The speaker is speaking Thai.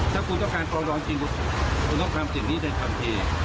ถ้าคุณต้องการประวัติศาสตร์จริงคุณต้องทำสิ่งนี้ในความจริง